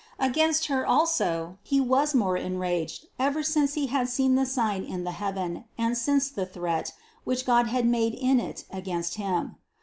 Against her also he was more en raged ever since he had seen the sign in the heaven and since the threat, which God had made in it against him.